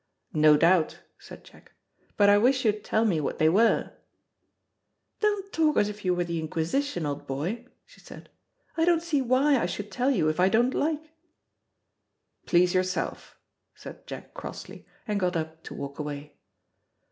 "No doubt," said Jack; "but I wish you'd tell me what they were." "Don't talk as if you were the inquisition, old boy," she said. "I don't see why I should tell you if I don't like." "Please yourself," said Jack crossly, and got up to walk away.